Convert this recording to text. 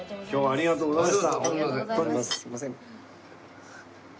ありがとうございます。